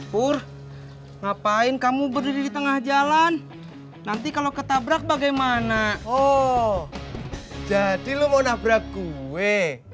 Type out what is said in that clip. pur ngapain kamu berdiri di tengah jalan nanti kalau ketabrak bagaimana oh jadi lo mau nabrak gue